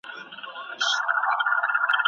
ښوونځی د ماشومانو د ذهني استعدادونو پیژندنه کوي.